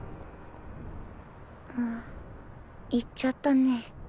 んん行っちゃったね。